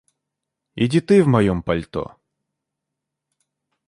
Иди ты в моём пальто.